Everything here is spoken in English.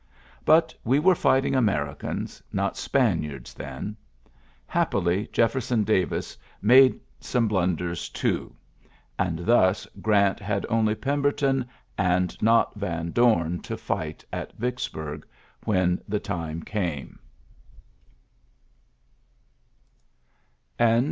But we were fight ing Americans, not Spaniards, then. Happily, Jefferson Davis made some blunders, too ; and thus Grant had only Pemberton, and not Van Dom, 72 ULYSSES S. GRAJST to fight at Yicksbnrg; when the time came.